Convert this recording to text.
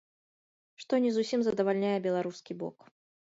Што не зусім задавальняе беларускі бок.